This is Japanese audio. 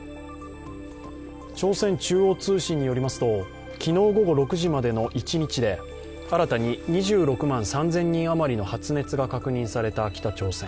朝鮮中央通信によりますと、昨日午後６時までの一日で新たに２６万３０００人余りの発熱が確認された北朝鮮。